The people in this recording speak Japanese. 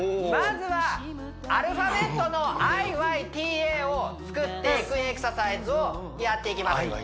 まずはアルファベットのＩＹＴＡを作っていくエクササイズをやっていきます